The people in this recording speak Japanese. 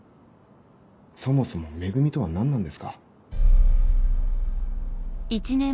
そもそも「め組」とは何なんですか？